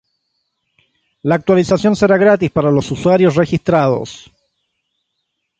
La actualización será gratis para los usuarios registrados.